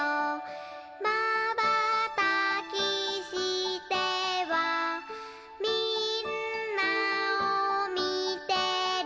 「まばたきしてはみんなをみてる」